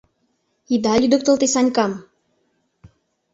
Ида лӱдыктыл те Санькам!